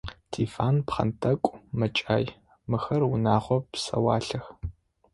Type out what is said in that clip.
Диван, пхъэнтӏэкӏу, мэкӏай – мыхэр унэгъо псэуалъэх.